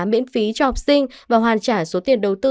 miễn phí cho học sinh và hoàn trả số tiền đầu tư